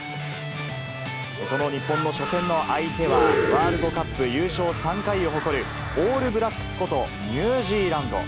その日本の初戦の相手は、ワールドカップ優勝３回を誇る、オールブラックスことニュージーランド。